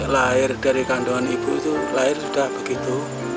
lahir dari kandungan ibu itu lahir sudah begitu